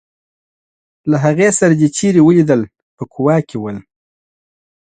له هغې سره دي چېرې ولیدل په کوا کې ول.